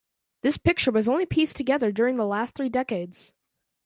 This picture was only pieced together during the last three decades.